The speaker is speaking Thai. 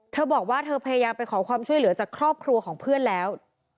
เธอบอกว่าเธอพยายามไปขอความช่วยเหลือจากครอบครัวของเพื่อนแล้ว